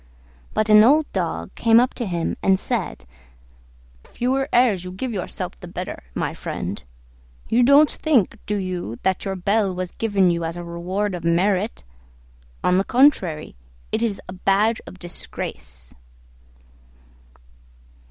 But an old dog came up to him and said, "The fewer airs you give yourself the better, my friend. You don't think, do you, that your bell was given you as a reward of merit? On the contrary, it is a badge of disgrace."